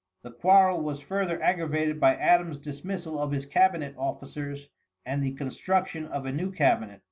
The quarrel was further aggravated by Adams' dismissal of his cabinet officers and the construction of a new cabinet.